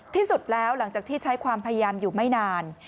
ที่สุดแล้วหลังจากที่ใช้ความพยายามอยู่ไม่นาน